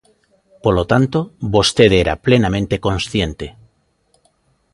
Polo tanto, vostede era plenamente consciente.